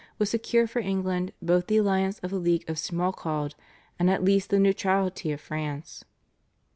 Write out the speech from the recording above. would secure for England both the alliance of the League of Schmalkald and at least the neutrality of France.